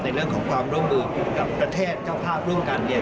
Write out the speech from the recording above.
เรื่องของความร่วมมือกับประเทศเจ้าภาพร่วมกันเนี่ย